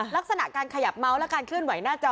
ลักษณะการขยับเมาส์และการเคลื่อนไหวหน้าจอ